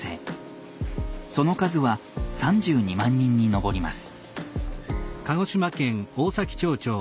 その数は３２万人に上ります。